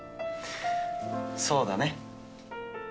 そうだね。